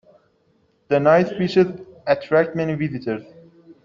The nice beaches attract many visitors.